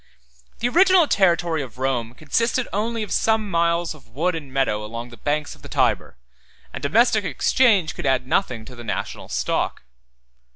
The original territory of Rome consisted only of some miles of wood and meadow along the banks of the Tyber; and domestic exchange could add nothing to the national stock.